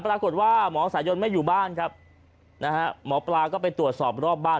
ปรากฏว่าหมอสายนไม่อยู่บ้านครับนะฮะหมอปลาก็ไปตรวจสอบรอบบ้าน